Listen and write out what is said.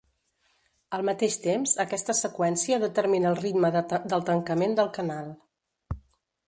Al mateix temps aquesta seqüència determina el ritme del tancament del canal.